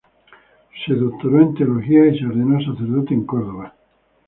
Se doctoró en teología y se ordenó sacerdote en Córdoba.